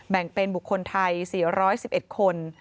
แบ่งเป็นบุคคลไทย๔๑๑คน